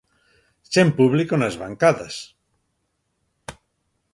Sen público nas bancadas.